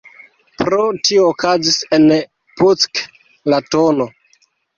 Pro tio okazis en Puck la tn.